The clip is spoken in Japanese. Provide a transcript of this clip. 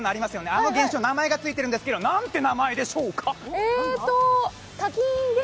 あの現象は名前がついているんですけれど、なんて名前でしょうか？